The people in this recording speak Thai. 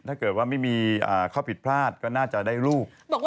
ถ้าไม่มีครอบหวิตพลาดก็น่าจะได้ลูก